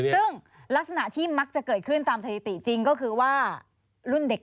ซึ่งลักษณะที่มักจะเกิดขึ้นตามสถิติจริงก็คือว่ารุ่นเด็ก